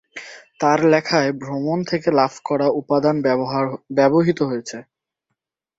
তার লেখায় ভ্রমণ থেকে লাভ করা উপাদান ব্যবহৃত হয়েছে।